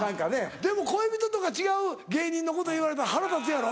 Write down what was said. でも恋人とか違う芸人のこと言われたら腹立つやろ？